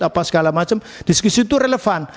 apa segala macam diskusi itu relevan